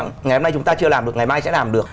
ngày hôm nay chúng ta chưa làm được ngày mai sẽ làm được